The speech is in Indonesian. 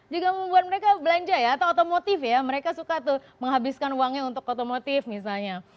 juga membuat mereka belanja ya atau otomotif ya mereka suka tuh menghabiskan uangnya untuk otomotif misalnya